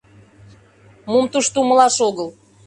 Мом тушто умылаш огыл!